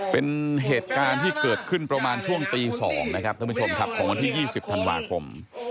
เป็นเหตุการณ์ที่เกิดขึ้นประมาณช่วงตี๒นะครับท่านผู้ชมครับของวันที่๒๐ธันวาคม